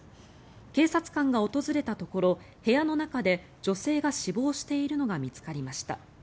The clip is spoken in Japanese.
警察官が訪れたところ部屋の中で女性が死亡しているのが見つかりました。